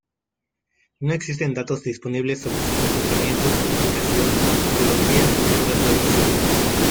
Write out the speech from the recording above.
No existen datos disponibles sobre su comportamiento, comunicación, ecología, o reproducción.